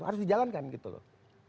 harus dijalankan gitu loh